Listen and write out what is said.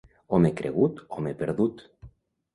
Home cregut, home perdut.